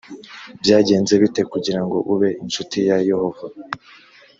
byagenze bite kugira ngo ube incuti ya yehova